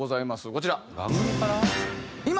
こちら。